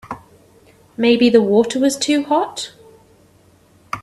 Maybe the water was too hot.